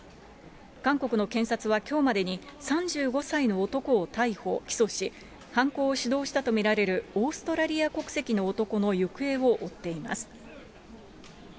韓国の検察はきょうまでに、３５歳の男を逮捕・起訴し、犯行を主導したと見られるオーストラリア国籍の男の行方を追っています。